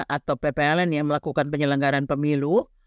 atau ppln yang melakukan penyelenggaran pemilu